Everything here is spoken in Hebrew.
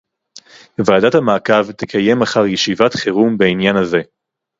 ועדת המעקב תקיים מחר ישיבת חירום בעניין הזה